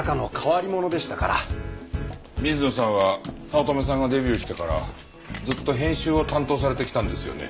水野さんは早乙女さんがデビューしてからずっと編集を担当されてきたんですよね？